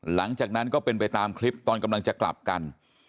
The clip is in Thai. หลังจากนั้นก็เป็นไปตามคลิปตอนกำลังจะกลับกัน